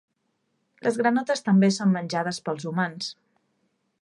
Les granotes també són menjades pels humans.